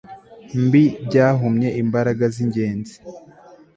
mbi byahumye imbaraga zingenzi